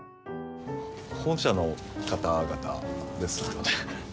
本社の方々ですよね？